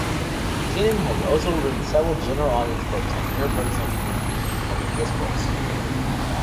Tannen has also written several general-audience books on interpersonal communication and public discourse.